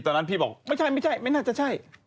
ตอนนั้นพี่บอกไม่ใช่ไม่ใช่ไม่น่าจะใช่